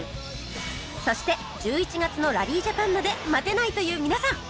そして１１月のラリージャパンまで待てないという皆さん！